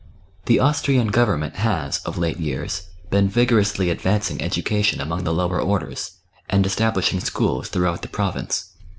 The Austrian Government has, of late years, been vigorously advancing education among the lower orders, and establishing schools throughout the province.